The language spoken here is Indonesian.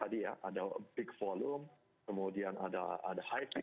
tapi intinya adalah bank digital itu memiliki keunikan tersendiri dibandingkan bank digital